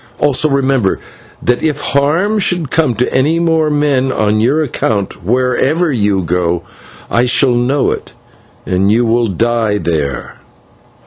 Also, remember that if harm should come to any more men on your account, wherever you go I shall know of it, and you will die there!"